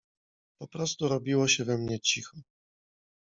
Po prostu robiło się we mnie cicho.